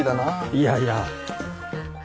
いやいや。